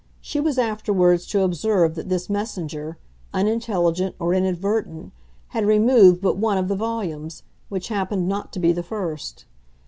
She was afterwards to observe that this messenger, unintelligent or inadvertent, had removed but one of the volumes, which happened not to be the first.